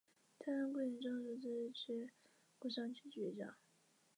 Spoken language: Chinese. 所有的人和所有的行星都属于类。